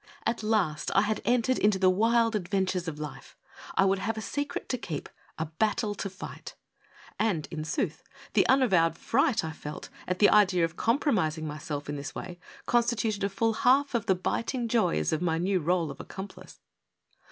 At last I had entered into the wild adventures of life, I would have a secret to keep, a battle to fight. And, in sooth, the unavowed fright I felt at the idea of compromising myself in this way con stituted a full half of the biting joys of my new role of accomplice.